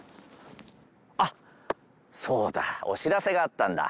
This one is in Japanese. あっそうだお知らせがあったんだ